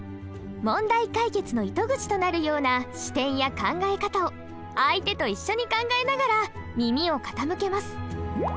問題解決の糸口となるような視点や考え方を相手と一緒に考えながら耳を傾けます。